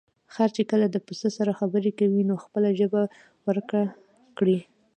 خر چې کله د پسه سره خبرې کوي، نو خپله ژبه ورکه کړي.